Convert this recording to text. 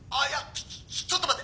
ちょちょっと待って！